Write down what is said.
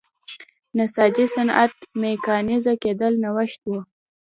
نساجۍ صنعت میکانیزه کېدل نوښت و.